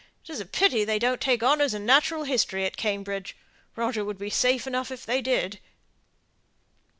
It's a pity they don't take honours in Natural History at Cambridge. Roger would be safe enough if they did."